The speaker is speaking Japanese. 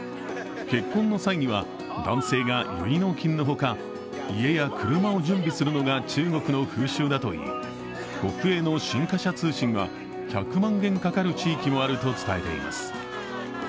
結婚の際には男性が結納金のほか家や車を準備するのが中国の風習だといい、国営の新華社通信は１００万元かかる地域もあると伝えています。